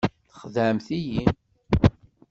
Txedɛemt-iyi.